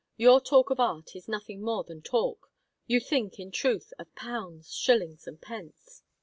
Your talk of art is nothing more than talk. You think, in truth, of pounds, shillings and pence."